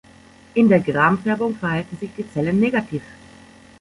In der Gram-Färbung verhalten sich die Zellen negativ.